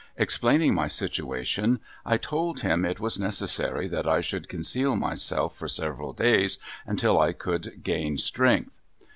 Explaining my situation, I told him it was necessary that I should conceal myself for several days until I could gain strength.